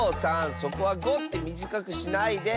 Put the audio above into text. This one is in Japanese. そこは「ご」ってみじかくしないで。